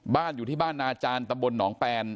บ้านอยู่ที่บ้านนาจารย์ตะบลหนองแปลน